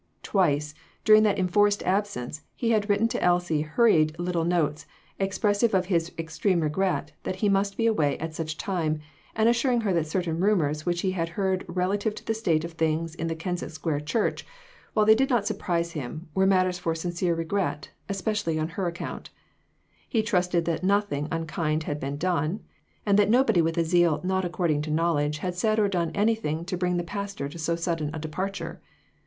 Twice, during that enforced ab sence he had written Elsie hurried little notes, expressive of his extreme regret that he must be away at such a time, and assuring her that certain rumors which he heard relative to the state of things in the Kensett Square church, while they did not surprise him, were matters for sincere regret ; especially on her account. He trusted that nothing unkind had been done; and that nobody with a zeal not according to knowledge had said or done anything to bring the pastor to so sudden a departure.